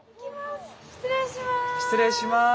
失礼します！